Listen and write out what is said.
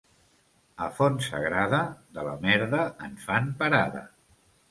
A Fontsagrada, de la merda en fan parada.